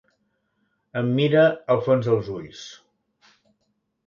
Em mira al fons dels ulls.